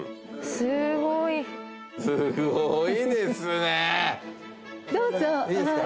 すごいですね。